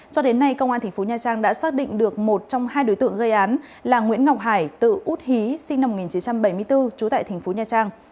cho đến nay công an thành phố nha trang đã xác định được một trong hai đối tượng gây án là nguyễn ngọc hải tự út hí sinh năm một nghìn chín trăm bảy mươi bốn trú tại thành phố nha trang